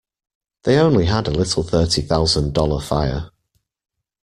They only had a little thirty thousand dollar fire.